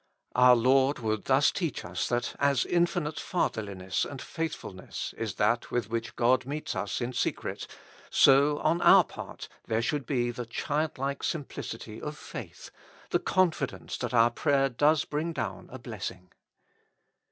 Our Lord would thus teach us that as infinite Father liness and Faithfulness is that with which God meets us in secret, so on our part there should be the childlike simpHcity of faith, the confidence that our prayer does bringdown a blessing.